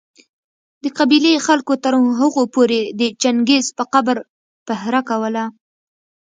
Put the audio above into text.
د قبېلې خلکو تر هغو پوري د چنګېز په قبر پهره کوله